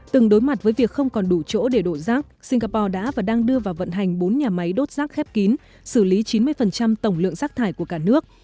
từng đối mặt với việc không còn đủ chỗ để đổ rác singapore đã và đang đưa vào vận hành bốn nhà máy đốt rác khép kín xử lý chín mươi tổng lượng rác thải của cả nước